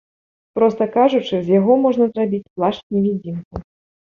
Проста кажучы, з яго можна зрабіць плашч-невідзімку.